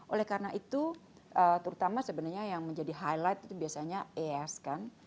oleh karena itu terutama sebenarnya yang menjadi highlight itu biasanya as kan